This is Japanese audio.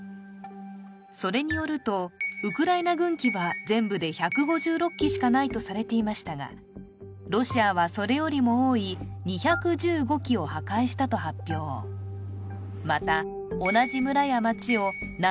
それによるとウクライナ軍機は全部で１５６機しかないとされていましたがロシアはそれよりも多い２１５機を破壊したと発表また同じ村や町を何度も繰り返し支配したという